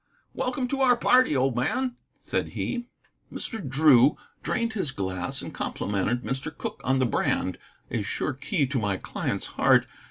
"Welcome to our party, old man," said he. Mr. Drew drained his glass and complimented Mr. Cooke on the brand, a sure key to my client's heart.